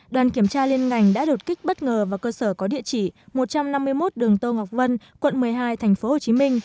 đoàn kiểm tra liên ngành đã đột kích bất ngờ vào cơ sở có địa chỉ một trăm năm mươi một đường tô ngọc vân quận một mươi hai tp hcm